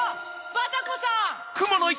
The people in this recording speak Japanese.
バタコさん！